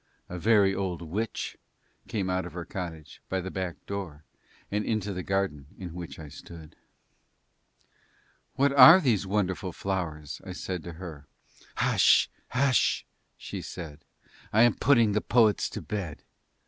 A very old witch came out of her cottage by the back door and into the garden in which I stood. "What are these wonderful flowers?" I said to her. "Hush! Hush!" she said, "I am putting the poets to bed.